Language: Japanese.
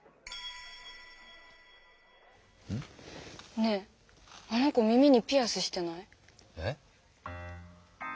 ねえあの子耳にピアスしてない？え？